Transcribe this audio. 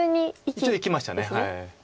一度生きました。